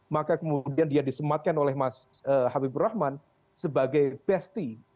maka kemudian dia disematkan oleh mas habibur rahman sebagai besti